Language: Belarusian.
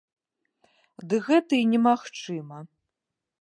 Ды гэта і немагчыма.